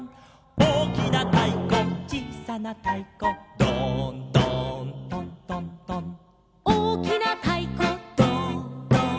「おおきなたいこちいさなたいこ」「ドーンドーントントントン」「おおきなたいこドーンドーン」